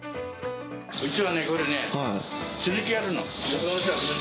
うちはね、これね、血抜きやるの。